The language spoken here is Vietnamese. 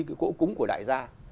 cái cỗ cúng của đại gia